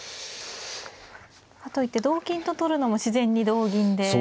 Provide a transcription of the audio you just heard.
かといって同金と取るのも自然に同銀で。